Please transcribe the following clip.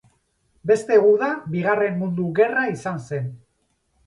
Beste guda Bigarren Mundu Gerra izan zen.